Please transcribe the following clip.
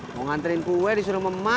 mau nganterin kue disuruh memak